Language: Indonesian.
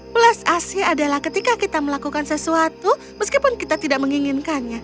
plus ac adalah ketika kita melakukan sesuatu meskipun kita tidak menginginkannya